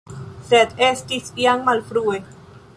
Sed estis jam malfrue.